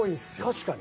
確かに。